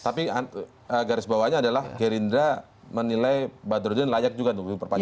tapi garis bawahnya adalah gerindra menilai badrodin layak juga untuk diperpanjang